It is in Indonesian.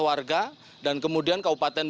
warga dan kemudian kabupaten